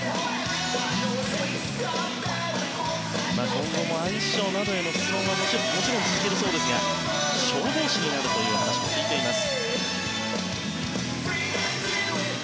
今後もアイスショーなどへの出演はもちろん続けるそうですが消防士になるという話を聞いております。